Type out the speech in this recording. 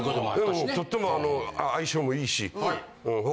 うんとっても相性もいいし。